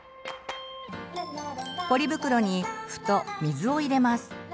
ポリ袋に麩と水を入れます。